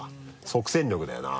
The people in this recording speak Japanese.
即戦力だよな。